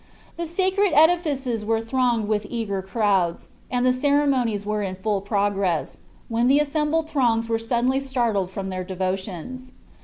The sacred edifices were thronged with eager crowds, and the ceremonies were in full progress, when the assembled throngs were suddenly startled from their devotions.